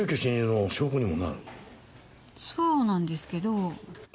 そうなんですけど。